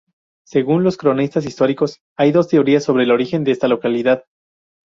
Según los cronistas históricos, hay dos teorías sobre el origen de esta localidad.